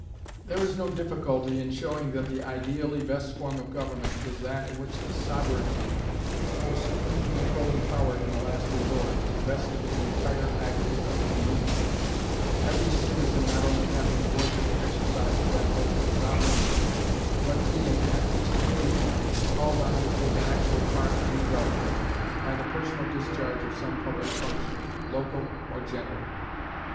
There is no difficulty in showing that the ideally best form of government is that in which the sovereignty, or supreme controlling power in the last resort, is vested in the entire aggregate of the community, every citizen not only having a voice in the exercise of that ultimate sovereignty, but being, at least occasionally, called on to take an actual part in the government by the personal discharge of some public function, local or general.